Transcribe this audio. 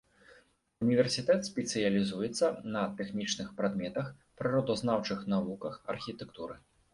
Універсітэт спецыялізуецца на тэхнічных прадметах, прыродазнаўчых навуках, архітэктуры.